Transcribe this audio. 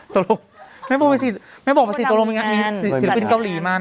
ตรงไม่บอกว่าสิไม่บอกว่าสิตรงนั้นมีศิลปินเกาหลีมาน่ะ